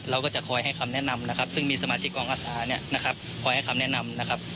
เราก็จะคอยให้คำแนะนำนะครับซึ่งมีสมาชิกกองอาสาเนี่ยนะครับคอยให้คำแนะนำนะครับ